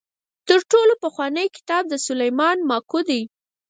تر ټولو پخوانی کتاب د سلیمان ماکو دی.